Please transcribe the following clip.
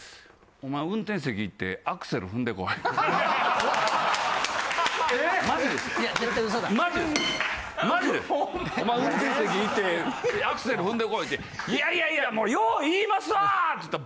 「お前運転席行ってアクセル踏んでこい」って「いやいやいやもうよう言いますわ」って言ったら。